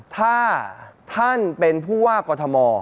ถ้าท่านเป็นผู้ว่ากอทม